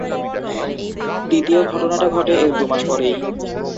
দ্বিতীয় ঘটনাটা ঘটে এর দুমাস পরেই।